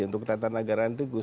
untuk tata negara antikus